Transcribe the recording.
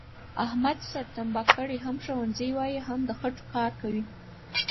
احمد سر تمبه کړی، هم ښوونځی وایي او هم د خټوکار کوي،